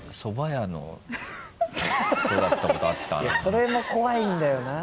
それも怖いんだよなぁ。